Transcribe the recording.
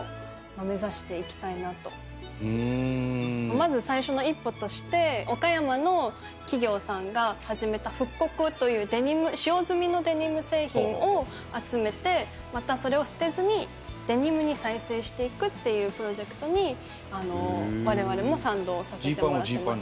まず最初の一歩として岡山の企業さんが始めたＦＵＫＫＯＫＵという使用済みのデニム製品を集めてまたそれを捨てずにデニムに再生していくっていうプロジェクトに我々も賛同させてもらってます。